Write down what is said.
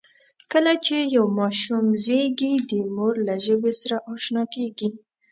کله چې یو ماشوم زېږي، د مور له ژبې سره آشنا کېږي.